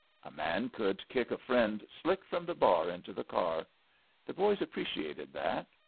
A man could kick a friend slick from the bar into the car. The boys appreciated that.